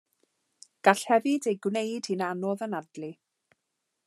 Gall hefyd ei gwneud hi'n anodd anadlu.